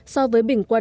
so với bình quân